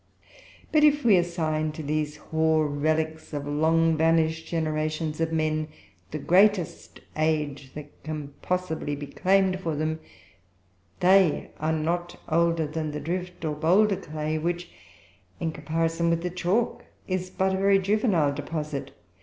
But, if we assign to these hoar relics of long vanished generations of men the greatest age that can possibly be claimed for them, they are not older than the drift, or boulder clay, which, in comparison with the chalk, is but a very juvenile deposit.